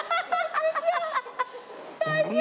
大丈夫？